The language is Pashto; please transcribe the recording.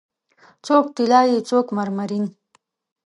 څوک طلایې، څوک مرمرین